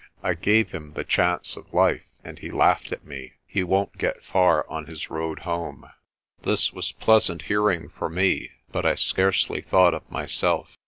"I gave him the chance of life, and he laughed at me. He won't get far on his road home." This was pleasant hearing for me but I scarcely thought of myself.